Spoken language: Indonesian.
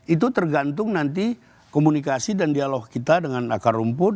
itu tergantung nanti komunikasi dan dialog kita dengan akar rumput